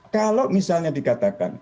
kalau misalnya dikatakan